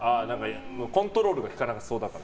コントロールが利かなそうだから。